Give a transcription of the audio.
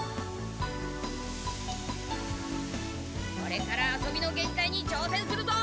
これから遊びの限界に挑戦するぞ。